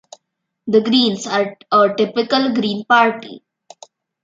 The Greens are a typical green party.